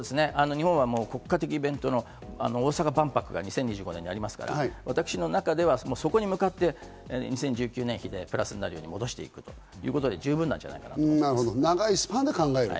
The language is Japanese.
日本は国家的イベントの大阪万博が２０２５年にありますから、私の中ではそこに向かって、２０１９年比でプラスになるよう戻していくということで十分じゃないかなといます。